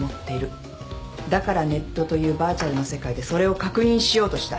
だからネットというバーチャルの世界でそれを確認しようとした。